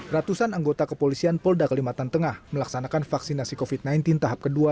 ratusan anggota kepolisian polda kelimatan tengah melaksanakan vaksinasi covid sembilan belas tahap kedua